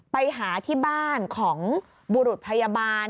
ไปหาที่บ้านของบุรุษพยาบาล